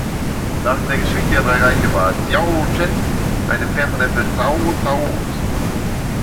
Nach der "Geschichte der Drei Reiche" war Cao Zhen ein entfernter Neffe Cao Caos.